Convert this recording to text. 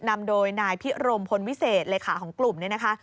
นำโดยนายพิโรมพลวิเศษหลักฐานของกลุ่มนี้นะคะ